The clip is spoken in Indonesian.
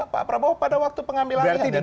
pak prabowo pada waktu pengambilan